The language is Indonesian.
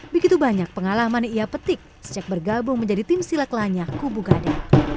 begitu banyak pengalaman yang ia petik sejak bergabung menjadi tim silek lanya kubu gada